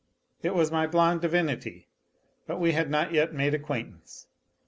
It was my blonde divinity, but we had not yet made acquaintance.